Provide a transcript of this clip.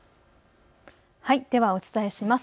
ではお伝えします。